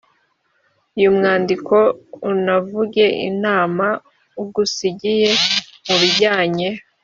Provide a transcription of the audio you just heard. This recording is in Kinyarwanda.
uyu mwandiko unavuge inama ugusigiye ku bijyanye